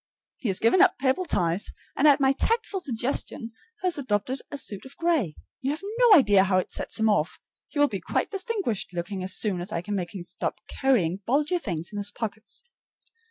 He has given up purple ties, and at my tactful suggestion has adopted a suit of gray. You have no idea how it sets him off. He will be quite distinguished looking as soon as I can make him stop carrying bulgy things in his pockets.